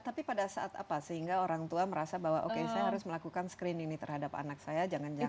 tapi pada saat apa sehingga orang tua merasa bahwa oke saya harus melakukan screening ini terhadap anak saya jangan jangan